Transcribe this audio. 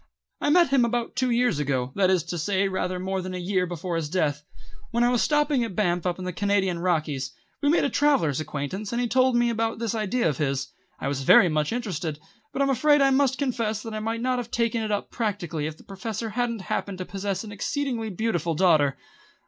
I met him about two years ago, that is to say rather more than a year before his death, when I was stopping at Banff up in the Canadian Rockies. We made a travellers' acquaintance, and he told me about this idea of his. I was very much interested, but I'm afraid I must confess that I might not have taken it up practically if the Professor hadn't happened to possess an exceedingly beautiful daughter.